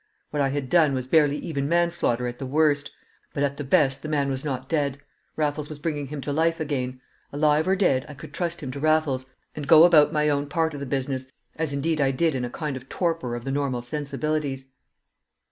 What I had done was barely even manslaughter at the worst. But at the best the man was not dead. Raffles was bringing him to life again. Alive or dead, I could trust him to Raffles, and go about my own part of the business, as indeed I did in a kind of torpor of the normal sensibilities.